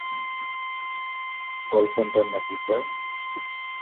Call centre নাকি, sir?